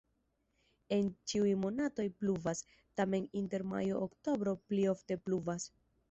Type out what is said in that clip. En ĉiuj monatoj pluvas, tamen inter majo-oktobro pli ofte pluvas.